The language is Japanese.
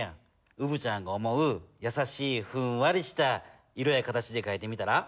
うぶちゃんが思うやさしいふんわりした色や形でかいてみたら？